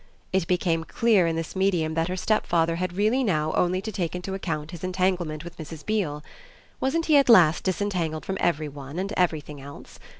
It became clear in this medium that her stepfather had really now only to take into account his entanglement with Mrs. Beale. Wasn't he at last disentangled from every one and every thing else?